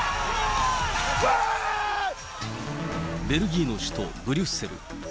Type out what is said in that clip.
ベルギーの首都ブリュッセル。